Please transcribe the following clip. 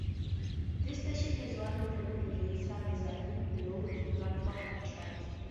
This station has one wooden elevated mezzanine below the platforms and tracks.